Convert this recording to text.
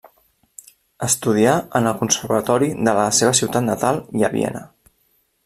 Estudià en el Conservatori de la seva ciutat natal i a Viena.